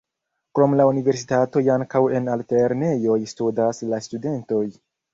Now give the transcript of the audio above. Krom la universitatoj ankaŭ en altlernejoj studas la studentoj.